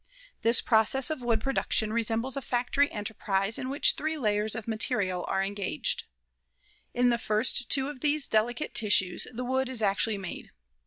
This process of wood production resembles a factory enterprise in which three layers of material are engaged. In the first two of these delicate tissues the wood is actually made.